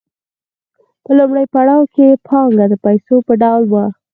په لومړي پړاو کې پانګه د پیسو په ډول وه